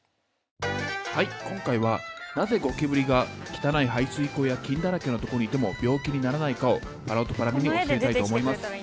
はい今回はなぜゴキブリが汚い排水溝や菌だらけのとこにいても病気にならないかをぱらおとぱらみに教えたいと思います。